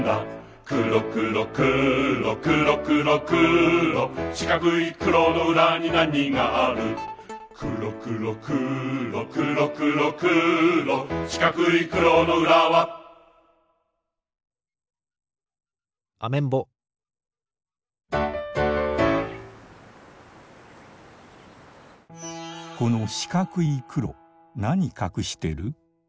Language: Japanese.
くろくろくろくろくろくろしかくいくろのうらになにがあるくろくろくろくろくろくろしかくいくろのうらはアメンボこのしかくいくろなにかくしてる？